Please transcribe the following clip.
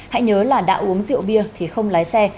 hãy nhớ là đã uống rượu bia thì không lái xe